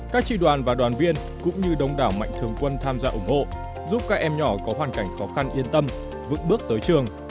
các tri đoàn và đoàn viên cũng như đông đảo mạnh thường quân tham gia ủng hộ giúp các em nhỏ có hoàn cảnh khó khăn yên tâm vượt bước tới trường